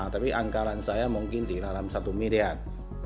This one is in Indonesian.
tapi angkaran saya mungkin di dalam satu miliar